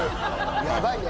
やばいね。